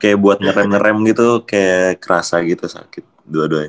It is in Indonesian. kayak buat ngerem ngerem gitu kayak kerasa gitu sakit dua duanya